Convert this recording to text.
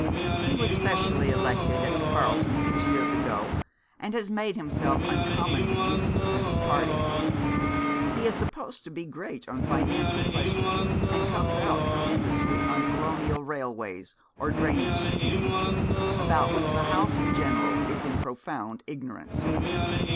He was specially elected at the Carlton six years ago, and has made himself uncommonly useful to his party. He is supposed to be great on financial questions, and comes out tremendously on colonial railways or drainage schemes, about which the House in general is in profound ignorance.